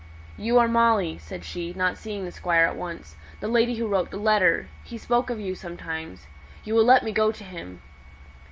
"You are Molly," said she, not seeing the Squire at once. "The lady who wrote the letter; he spoke of you sometimes. You will let me go to him."